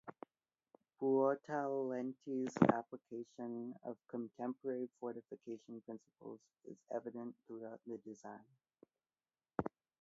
Buontalenti's application of contemporary fortification principles is evident throughout the design.